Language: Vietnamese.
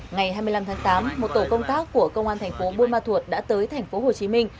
ngày hai mươi năm tháng tám một tổ công tác của công an thành phố buôn ma thuột đã tới thành phố hồ chí minh